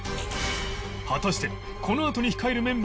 果たしてこのあとに丈くん！